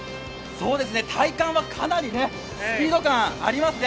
体感は、かなりスピード感ありますね。